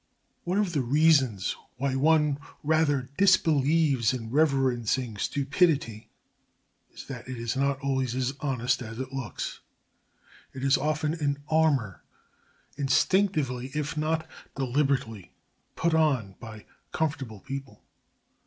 One of the reasons why one rather disbelieves in reverencing stupidity is that it is not always as honest as it looks. It is often an armour instinctively, if not deliberately, put on by comfortable people.